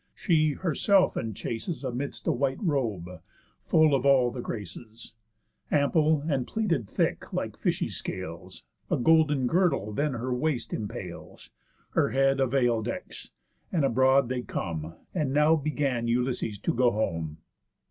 She herself enchaces Amidst a white robe, full of all the Graces, Ample, and pleated thick like fishy scales; A golden girdle then her waist impales; Her head a veil decks; and abroad they come. And now began Ulysses to go home.